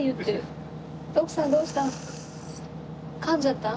徳さんどうした？